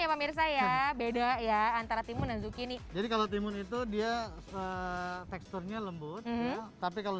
ya beda ya antara timun dan zucchini jadi kalau timun itu dia teksturnya lembut tapi kalau